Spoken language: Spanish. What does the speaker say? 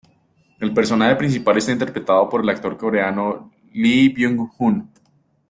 El personaje principal está interpretado por el actor coreano Lee Byung-Hun.